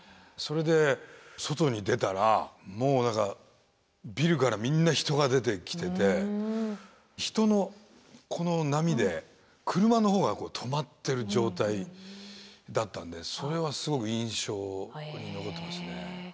それで外に出たらもう何かビルからみんな人が出てきてて人のこの波で車の方が止まってる状態だったんでそれはすごく印象に残ってますね。